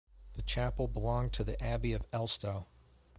The chapel belonged to the abbey of Elstow.